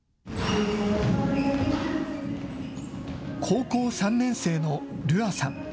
高校３年生のＲｕａさん。